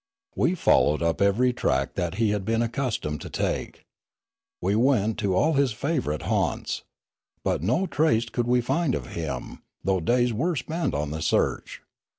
We followed up every track that he had been accustomed to take. We went to all his favourite haunts. But no trace could we find of him, though days were spent on the search.